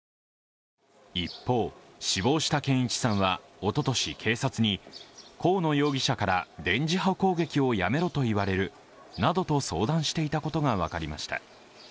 一方、死亡した健一さんはおととし警察に河野容疑者から電磁波攻撃をやめろと言われるなどと相談していたことが分かりました。